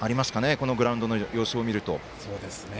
このグラウンドの様子を見ると。